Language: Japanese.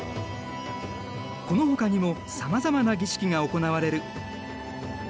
このほかにもさまざまな儀式が行われる。